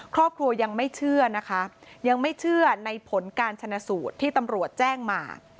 ครอบครัวยังไม่เชื่อนะคะยังไม่เชื่อในผลการชนะสูตรที่ตำรวจแจ้งมา